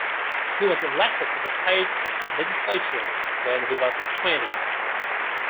He was elected to the State Legislature when he was twenty.